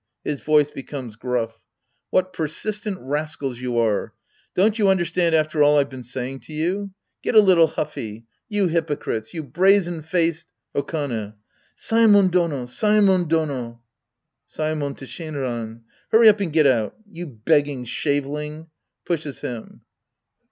{His voice becomes gruff ^ What persistent rascals you are ! Don't you understand after all I've been saying to you ? Get a little huffy. You hypocrites ! You brazen faced — Okane. Saemon Dono ! Saemon Dono ! Saemon {to Shinran). Hurry up and get out. You begging shaveling ! {Pushes him.)